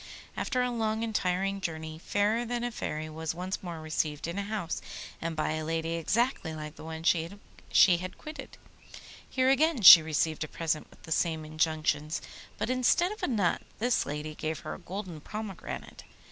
After a long and tiring journey Fairer than a Fairy was once more received in a house, and by a lady exactly like the one she had quitted. Here again she received a present with the same injunctions, but instead of a nut this lady gave her a golden pomegranate.